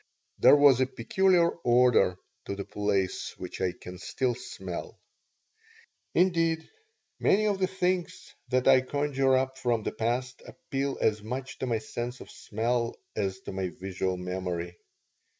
There was a peculiar odor to the place which I can still smell. (Indeed, many of the things that I conjure up from the past appeal as much to my sense of smell as to my visual memory.)